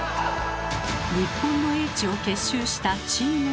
日本の英知を結集したチームワンワン。